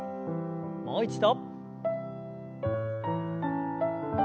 もう一度。